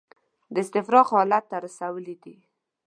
د استفراق حالت ته رسولي دي.